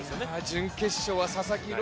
準決勝は佐々木朗